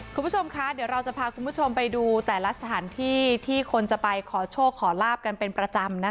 คุณผู้ชมคะเดี๋ยวเราจะพาคุณผู้ชมไปดูแต่ละสถานที่ที่คนจะไปขอโชคขอลาบกันเป็นประจำนะคะ